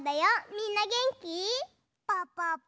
みんなげんき？